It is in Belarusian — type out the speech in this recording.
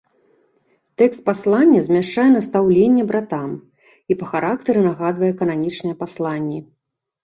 Тэкст паслання змяшчае настаўленне братам і па характары нагадвае кананічныя пасланні.